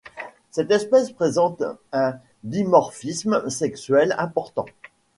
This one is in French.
Cette espèce présente un dimorphisme sexuel important.